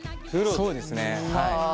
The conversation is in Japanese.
そうですねはい。